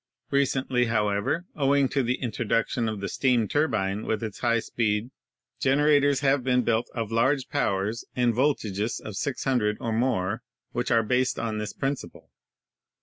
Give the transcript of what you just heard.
Re cently, however, owing to the introduction of the steam turbine with its high speed, generators have been built of large powers and voltages of 600 or more which are based i 9 o ELECTRICITY on this principle.